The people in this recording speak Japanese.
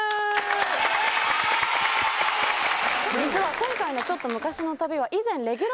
今回のちょっと昔の旅は。